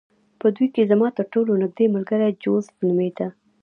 په دوی کې زما ترټولو نږدې ملګری جوزف نومېده